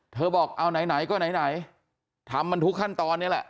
เธอบอกเอาไหนไหนก็ไหนไหนทำมันทุกขั้นตอนนี้แหละ